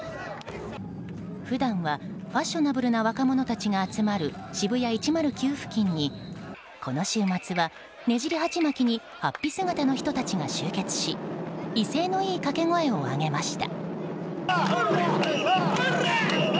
普段は、ファッショナブルな若者たちが集まるＳＨＩＢＵＹＡ１０９付近にこの週末は、ねじり鉢巻きに法被姿の人たちが集結し威勢のいい掛け声を上げました。